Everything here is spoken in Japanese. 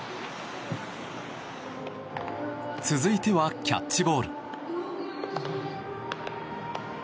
続いてはキャッチボール。